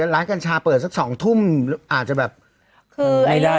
ร้านกัญชาเปิดสัก๒ทุ่มอาจจะแบบไม่ได้หรอก